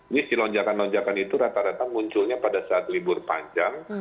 misi lonjakan lonjakan itu rata rata munculnya pada saat libur panjang